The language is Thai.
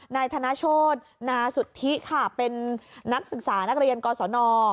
นายธนโชธนาสุทธิค่ะเป็นนักศึกษานักเรียนกศน